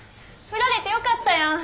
振られてよかったやん。